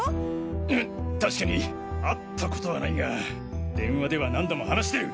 うたしかに会ったことはないが電話では何度も話してる！